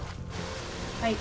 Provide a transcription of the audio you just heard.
はい